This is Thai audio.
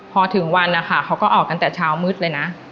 พอถึงวันมันเค้าก็ออกกันจากเช้ามืดเลยนะ